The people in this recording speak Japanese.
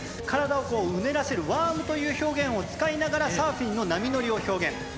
体をうねらせるワームという表現を使いながら、サーフィンの波乗りを表現。